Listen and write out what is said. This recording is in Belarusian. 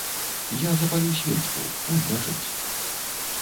Я запалю свечку, унь ляжыць.